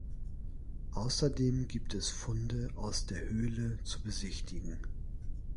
Außerdem gibt es Funde aus der Höhle zu besichtigen.